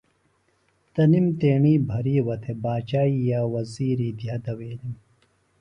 تنم تیݨی بھرِیوہ تھےۡ باچائی ئیے وزِیری دھیہ دویلم